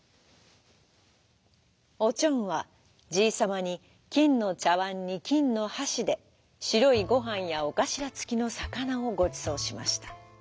おちょんはじいさまにきんのちゃわんにきんのはしでしろいごはんやおかしらつきのさかなをごちそうしました。